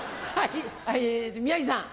宮治さん。